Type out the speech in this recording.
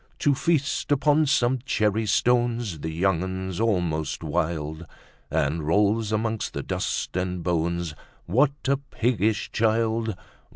To feast upon some cherry stones The young un's almost wild, And rolls amongst the dust and bones, What a piggish child!